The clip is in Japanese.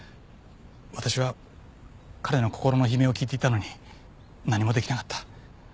私は彼の心の悲鳴を聞いていたのに何もできなかった。